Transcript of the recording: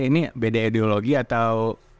ini beda ideologi atau